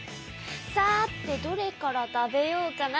さてどれから食べようかな。